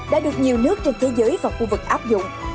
đã được nhiều nước trên thế giới và khu vực áp dụng